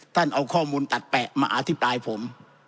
ท่านเอาข้อมูลตัดแปะมาอภิปรายผม